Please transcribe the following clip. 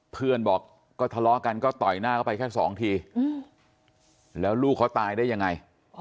เพื่อนบอกก็ทะเลาะกันก็ต่อยหน้าเข้าไปแค่สองทีแล้วลูกเขาตายได้ยังไง